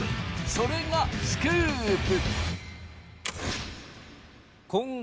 それがスクープ！